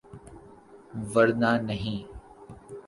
‘ ورنہ نہیں۔